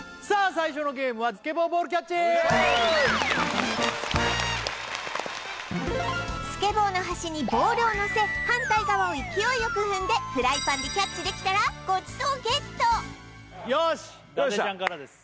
最初のゲームはスケボーの端にボールをのせ反対側を勢いよく踏んでフライパンでキャッチできたらごちそうＧＥＴよし伊達ちゃんからです